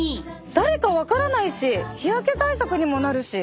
誰か分からないし日焼け対策にもなるし。